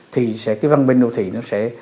thì cái văn minh đô thị nó sẽ